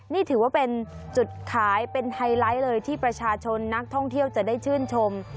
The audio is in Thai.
นี่ถือว่าเป็นจุดขายเป็นไฮไลท์เลยที่ประชาชนนักท่องเที่ยวจะได้ชื่นชม